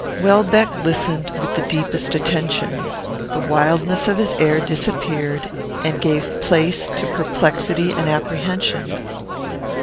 Welbeck listened with the deepest attention. The wildness of his air disappeared, and gave place to perplexity and apprehension.